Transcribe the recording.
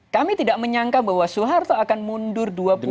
kami tidak menyangka bahwa soeharto akan mundur dua puluh empat